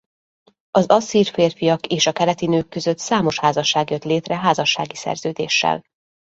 Az asszír férfiak és a keleti nők között számos házasság jött létre házassági szerződéssel.